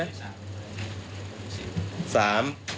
ใช่ครับ